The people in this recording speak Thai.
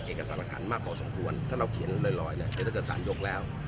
เอกสารหลักฐานมากพอสมควรถ้าเราเขียนลอยเนี่ยถ้าเกิดสารยกแล้ว